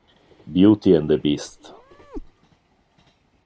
Beauty and the Beast